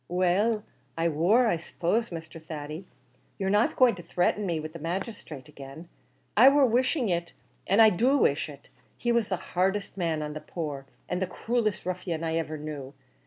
"Well I wor; I suppose, Mr. Thady, you're not going to threaten me with the magisthrate again. I wor wishing it an' I do wish it; he was the hardest man on the poor an' the cruelest ruffian I iver knew.